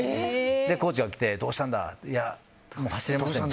コーチが来てどうしたんだ？って。